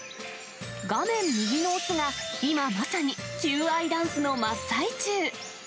画面右の雄が、今、まさに、求愛ダンスの真っ最中。